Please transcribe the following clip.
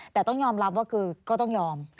แต่ต้องยอมรับว่าคือก็ต้องยอม